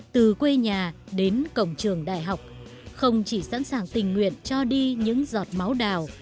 từ quê nhà đến cổng trường đại học không chỉ sẵn sàng tình nguyện cho đi những giọt máu đào